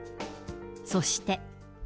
そして。